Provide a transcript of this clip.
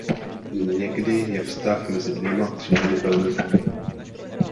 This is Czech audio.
Někdy je vztah mezi dvěma třídami velmi slabý.